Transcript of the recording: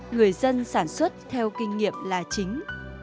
người dân sản xuất theo kinh nghiệm là chính